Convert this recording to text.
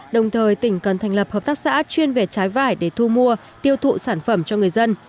đồng thời tỉnh cần thành lập hợp tác xã chuyên về trái vải để thu mua tiêu thụ sản phẩm cho người dân